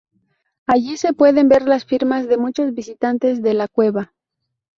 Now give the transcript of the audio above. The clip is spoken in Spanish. Allí se pueden ver las firmas de muchos visitantes de la cueva.